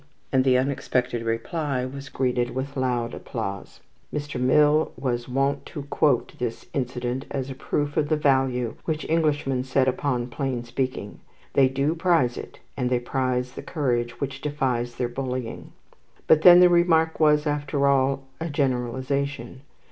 and the unexpected reply was greeted with loud applause. Mr. Mill was wont to quote this incident as proof of the value which Englishmen set upon plain speaking. They do prize it, and they prize the courage which defies their bullying. But then the remark was, after all, a generalization.